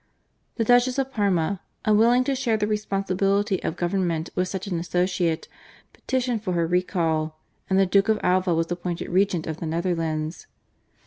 The Duchess of Parma, unwilling to share the responsibility of government with such an associate, petitioned for her recall, and the Duke of Alva was appointed regent of the Netherlands.